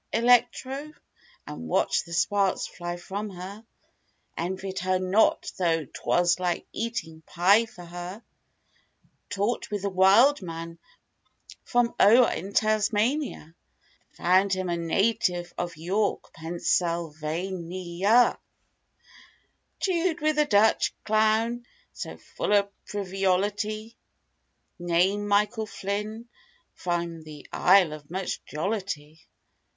"Electro" and watched the sparks fly from her; Envied her not, though 'twas like eating pie for her; Talked with the "wild" man from o'er in Tas ma ni a— (Found him a native of York, Penn syl va ni a) ; Chewed with the Dutch (?) clown, so full of frivolity— Name—Michael Flynn, from the Isle of much jollity.